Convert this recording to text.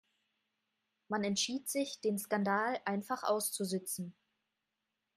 Man entschied sich, den Skandal einfach auszusitzen.